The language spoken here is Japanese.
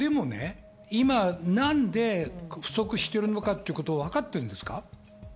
今何で不足してるのかっていうのは分かってるんですか？